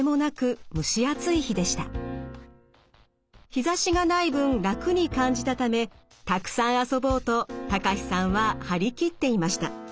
日ざしがない分楽に感じたためたくさん遊ぼうとたかしさんは張り切っていました。